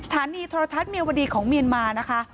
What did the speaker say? โทรทัศน์เมียวดีของเมียนมานะคะ